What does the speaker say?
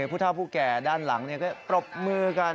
ผู้เท่าผู้แก่ด้านหลังก็ปรบมือกัน